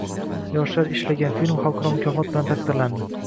Yoshlar ishlagan film xalqaro mukofot bilan taqdirlandi